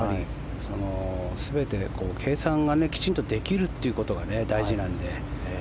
全て計算がきちんとできるということが大事なので。